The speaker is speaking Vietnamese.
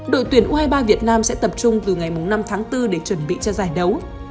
đội tuyển u hai mươi ba việt nam sẽ tập trung từ ngày năm tháng bốn để chuẩn bị cho giải đấu